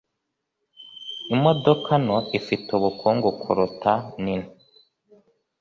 Imodoka nto ifite ubukungu kuruta nini.